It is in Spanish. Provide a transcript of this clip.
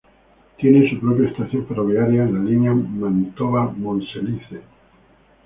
Tiene su propia estación ferroviaria en la línea Mantova-Monselice.